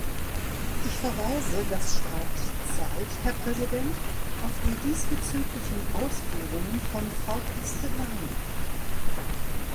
Ich verweise, das spart Zeit, Herr Präsident, auf die diesbezüglichen Ausführungen von Frau Kestelijn.